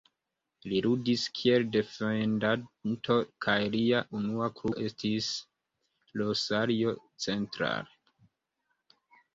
Li ludis kiel defendanto kaj lia unua klubo estis Rosario Central.